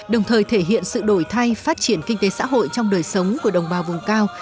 đồng thời thể hiện sự đổi thay phát triển kinh tế xã hội trong đời sống của đồng bào vùng cao